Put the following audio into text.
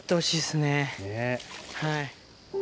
はい。